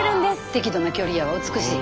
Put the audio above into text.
適度な距離やわ美しい。